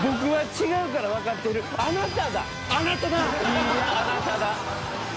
いやあなただ。